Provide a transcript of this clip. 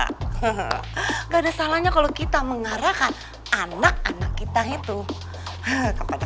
tidak ada salahnya kalau kita mengarahkan anak anak kita itu kepada